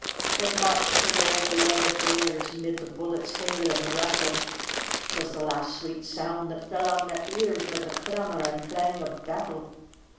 They marched to the old belovèd airs 'Mid the bullets' hail and rattle; 'Twas the last sweet sound that fell on their ears 'Mid the clamor and clang of battle.